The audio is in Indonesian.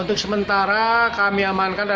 untuk sementara kami amankan